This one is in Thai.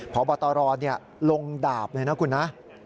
พบตรลงดาบเลยนะคุณนะ